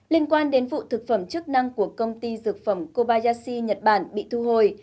liên quan đến vụ thực phẩm chức năng của công ty dược phẩm kobayashi nhật bản bị thu hồi